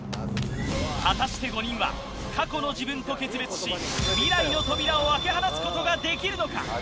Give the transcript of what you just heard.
果たして５人は過去の自分と決別し未来の扉を開け放つことができるのか？